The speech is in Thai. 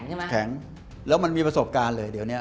แข็งแล้วมันมีประสบการณ์เลยเดี๋ยวเนี้ย